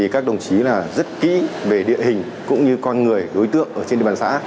các đồng chí rất kỹ về địa hình cũng như con người đối tượng ở trên địa bàn xã